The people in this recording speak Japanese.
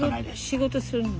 仕事するの？